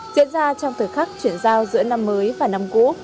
diễn ra trong thời khắc chuyển giao giữa năm mới và năm cũ